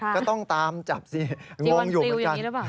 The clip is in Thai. ก็ต้องตามจับสิงงอยู่เหมือนกัน